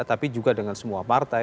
tapi juga dengan semua partai